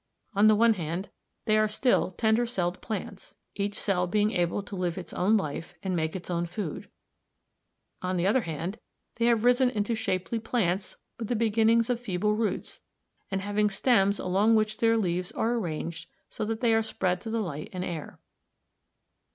On the one hand, they are still tender celled plants, each cell being able to live its own life and make its own food; on the other hand, they have risen into shapely plants with the beginnings of feeble roots, and having stems along which their leaves are arranged so that they are spread to the light and air.